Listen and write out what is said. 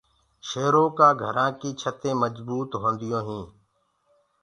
شيرو ڪآ گھرآ ڪي ڇتينٚ مجبوت هونديونٚ هينٚ۔